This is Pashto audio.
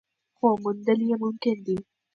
خو موندل یې ممکن دي.